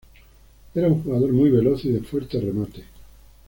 Era un jugador muy veloz y de fuerte remate.